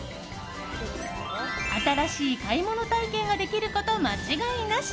新しい買い物体験ができること間違いなし！